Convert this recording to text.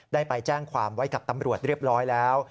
ได้ไปแจ้งความไว้กับตำรวจเรียบร้อยแล้ว